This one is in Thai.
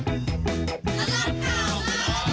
เธอก็รักหรอ